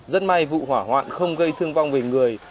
rất may vụ hỏa hoạn không gây thương vong về người